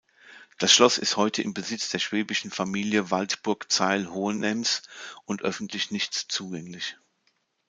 Das Schloss ist heute im Besitz der schwäbischen Familie Waldburg-Zeil-Hohenems und öffentlich nicht zugänglich.